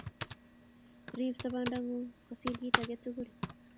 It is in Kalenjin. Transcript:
Rip sobondang'ung' kosir kit age tugul.